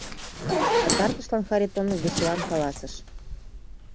Пытартышлан Харитонов веселан каласыш: